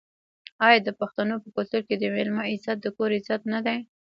آیا د پښتنو په کلتور کې د میلمه عزت د کور عزت نه دی؟